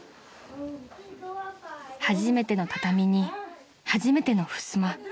［初めての畳に初めてのふすま］